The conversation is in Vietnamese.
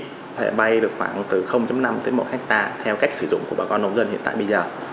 có thể bay được khoảng từ năm tới một hectare theo cách sử dụng của bà con nông dân hiện tại bây giờ